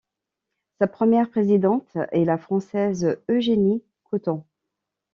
Sa première présidente est la Française Eugénie Cotton.